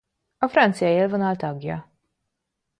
A francia élvonal tagja.